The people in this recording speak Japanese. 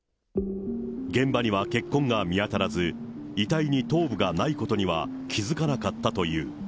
現場には血痕が見当たらず、遺体に頭部がないことには気付かなかったという。